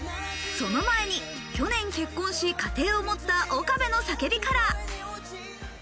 その前に去年結婚し、家庭を持った岡部の叫びから。